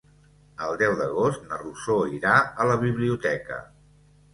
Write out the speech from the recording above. El deu d'agost na Rosó irà a la biblioteca.